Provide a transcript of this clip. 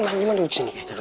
ya udah makanya mah gimana